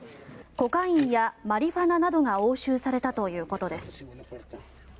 コカインやマリファナなどが押収されたということです。